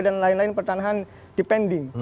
dan lain lain pertanahan depending